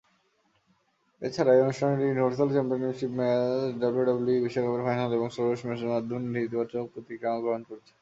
এছাড়াও এই অনুষ্ঠানটি ইউনিভার্সাল চ্যাম্পিয়নশিপ ম্যাচ, ডাব্লিউডাব্লিউই বিশ্বকাপের ফাইনাল এবং সর্বশেষ ম্যাচের মাধ্যমে নেতিবাচক প্রতিক্রিয়া গ্রহণ করেছে।